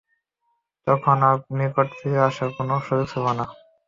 তখন আর তার নিকট ফিরে আসার কোন সুযোগ ছিল না।